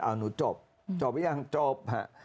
เอาหนูจบจบหรือยังจบ